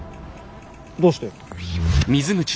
どうして？